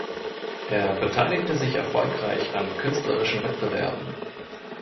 Er beteiligte sich erfolgreich an künstlerischen Wettbewerben.